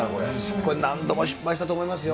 これ、何度も失敗したと思います